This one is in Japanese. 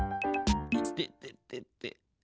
いてててて。